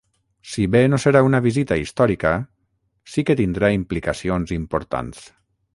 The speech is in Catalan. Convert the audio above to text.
Si bé no serà una visita històrica, sí que tindrà implicacions importants.